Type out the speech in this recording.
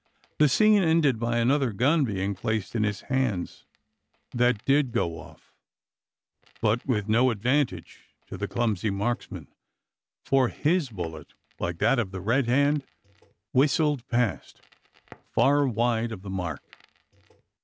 The scene ended by another gun being placed in his hands, that did go off; but with no advantage to the clumsy marksman: for his bullet, like that of the Red Hand, whistled past, far wide of the mark.